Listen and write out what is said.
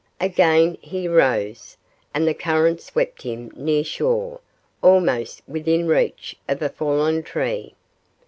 Again he rose, and the current swept him near shore, almost within reach of a fallen tree.